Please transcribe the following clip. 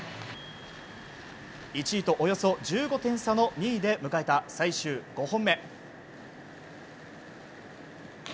１位とおよそ１５点差の２位で迎えた最終５本目。